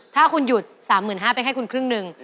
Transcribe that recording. ถ้าคุณหยุด๓๕๐๐๐บาทเป็นแค่คุณครึ่งหนึ่ง